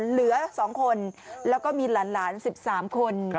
เหลือ๒คนแล้วก็มีหลาน๑๓คน